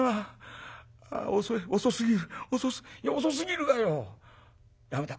遅い遅すぎる遅すぎるがよやめた。